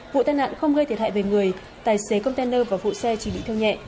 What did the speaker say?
vụ tai nạn không gây thiệt hại về người tài xế container và vụ xe chỉ bị theo nhẹ